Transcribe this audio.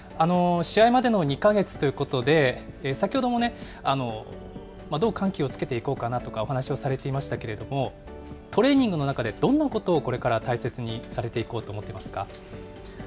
試合までの２か月ということで、先ほどもね、どう緩急をつけていこうかなとか、お話をされていましたけれども、トレーニングの中で、どんなことをこれから大切にされていこうと思ってますか。